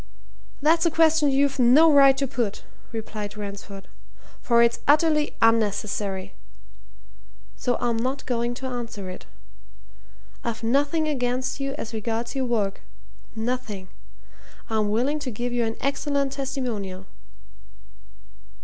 "That's a question you've no right to put," replied Ransford, "for it's utterly unnecessary. So I'm not going to answer it. I've nothing against you as regards your work nothing! I'm willing to give you an excellent testimonial."